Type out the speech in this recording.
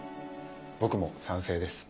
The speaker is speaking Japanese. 僕も賛成です。